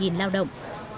khoảng bảy lao động